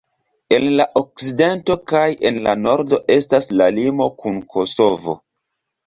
En la okcidento kaj en la nordo estas la limo kun Kosovo.